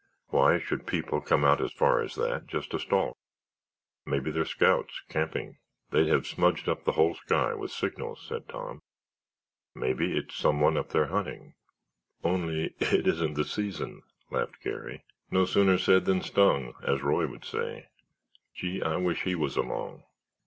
"Why should people come as far as that just to stalk?" "Maybe they're scouts, camping." "They'd have smudged up the whole sky with signals," said Tom. "Maybe it's someone up there hunting." "Only it isn't the season," laughed Garry. "No sooner said than stung, as Roy would say. Gee, I wish he was along!"